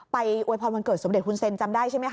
อวยพรวันเกิดสมเด็นเซนจำได้ใช่ไหมคะ